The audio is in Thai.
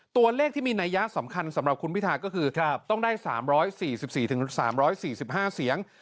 ตัวเลขที่มีนัยยะสำคัญสำหรับคุณพิทาก็คือต้องได้๓๔๔๓๔๕เสียง